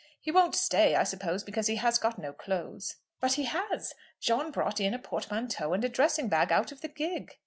He won't stay, I suppose, because he has got no clothes." "But he has; John brought in a portmanteau and a dressing bag out of the gig."